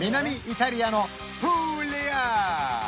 イタリアのプーリア！